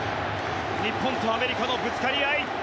日本とアメリカのぶつかり合い。